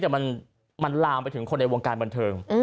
แต่มันลามไปถึงคนในวงการบันเทิง